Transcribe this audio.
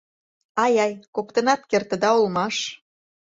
Ай-ай, коктынат кертыда улмаш...